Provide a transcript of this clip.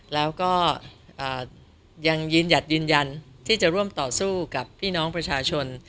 แล้วก็ยังยืนหยัดยืนยันที่จะร่วมต่อสู้กับพี่น้องประชาชน